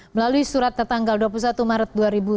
melalui surat tertanggal dua puluh satu maret dua ribu sembilan belas